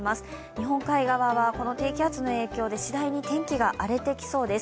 日本海側はこの低気圧の影響で、次第に天気が荒れていきそうです。